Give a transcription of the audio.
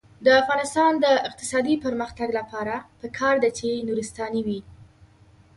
د افغانستان د اقتصادي پرمختګ لپاره پکار ده چې نورستاني وي.